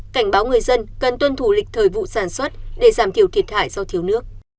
cảnh báo người dân cần tuân thủ lịch thời vụ sản xuất để giảm thiểu thiệt hại do thiếu nước